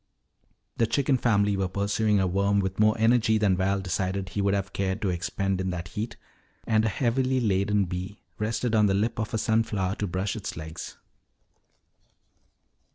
The chicken family were pursuing a worm with more energy than Val decided he would have cared to expend in that heat, and a heavily laden bee rested on the lip of a sunflower to brush its legs.